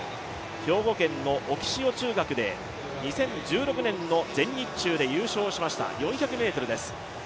兵庫県の中学校、２０１６年の全日中で優勝しました、４００ｍです。